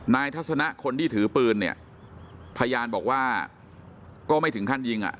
ทัศนะคนที่ถือปืนเนี่ยพยานบอกว่าก็ไม่ถึงขั้นยิงอ่ะ